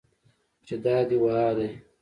چې دا دي و ها دي.